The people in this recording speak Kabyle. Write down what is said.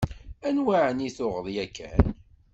Anwa ɛni tuɣeḍ yakan?